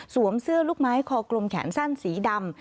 เสื้อลูกไม้คอกลมแขนสั้นสีดำ